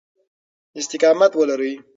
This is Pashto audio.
استقامت ولرئ.